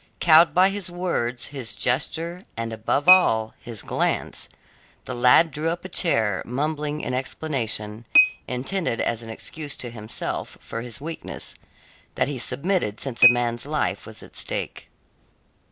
Cowed by his words, his gesture, and above all, his glance, the lad drew up a chair, mumbling in explanation intended as an excuse to himself for his weakness that he submitted since a man's life was at stake.